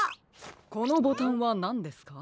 このボタンはなんですか？